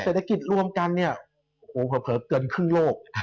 เศรษฐกิจรวมกันเผลอเผลอเกินครึ่งโลก